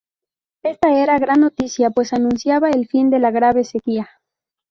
Ésta era una gran noticia, pues anunciaba el fin de la grave sequía.